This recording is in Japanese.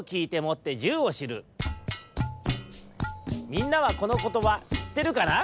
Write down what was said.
みんなはこのことばしってるかな？